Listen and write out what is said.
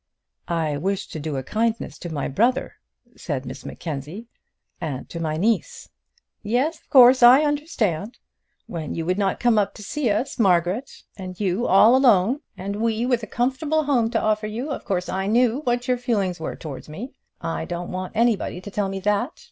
"I wish to do a kindness to my brother," said Miss Mackenzie "and to my niece." "Yes; of course; I understand. When you would not come up to see us, Margaret, and you all alone, and we with a comfortable home to offer you, of course I knew what your feelings were towards me. I don't want anybody to tell me that!